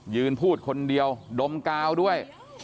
ยืนพูดคนเดียวดมกาวด้วย